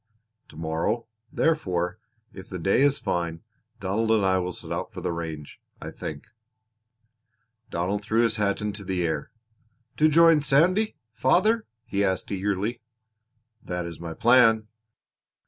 To morrow, therefore, if the day is fine, Donald and I will set out for the range, I think." Donald threw his hat into the air. "To join Sandy, father?" he asked eagerly. "That is my plan."